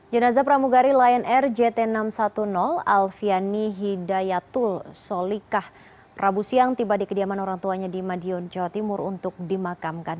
jenazah pramugari lion air jt enam ratus sepuluh alfiani hidayatul solikah rabu siang tiba di kediaman orang tuanya di madiun jawa timur untuk dimakamkan